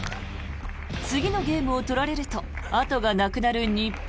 次のゲームを取られるとあとがなくなる日本。